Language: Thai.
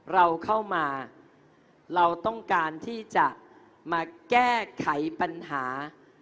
เราเข้ามาเราต้องการที่จะมาแก้ไขปัญหา